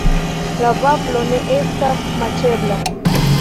La vaflo ne estas maĉebla.